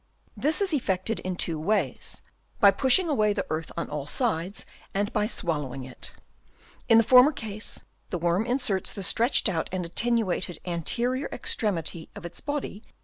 — This is effected in two ways ; by pushing away the earth on all sides, and by swallowing it. In the former case, the worm inserts the stretched out and attenuated Chap. II. EXCAVATION OF THEIR BURROWS.